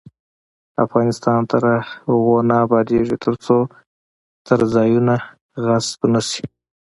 افغانستان تر هغو نه ابادیږي، ترڅو څرځایونه غصب نشي.